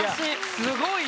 すごいよ。